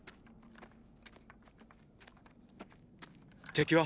敵は？